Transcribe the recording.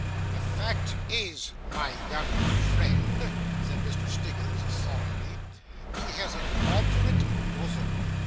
'The fact is, my young friend,' said Mr. Stiggins solemnly, 'he has an obderrate bosom.